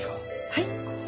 はい。